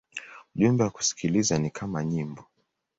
Ujumbe wa kusikiliza ni kama nyimbo.